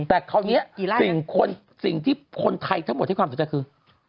แต่คราวนี้สิ่งที่คนไทยทั้งหมดให้ความสนใจคือ